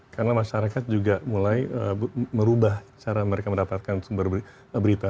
karena masyarakat juga mulai merubah cara mereka mendapatkan sumber berita